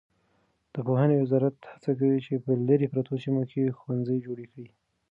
د پوهنې وزارت هڅه کوي چې په لیرې پرتو سیمو کې ښوونځي جوړ کړي.